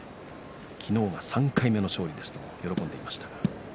昨日は３回目の勝利でしたと喜んでいました。